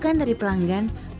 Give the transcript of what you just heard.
akan model model yang diinginkan